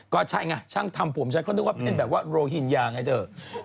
ก็ใช่ไงช่างทำผมฉันเขานึกว่าเป็นแบบว่าโรฮิงญาไงเถอะ